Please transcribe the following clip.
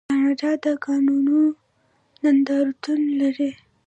کاناډا د کانونو نندارتون لري.